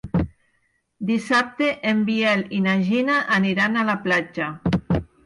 Dissabte en Biel i na Gina aniran a la platja.